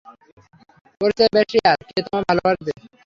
ওর চেয়ে বেশি আর, কে তোমাকে ভালবাসবে?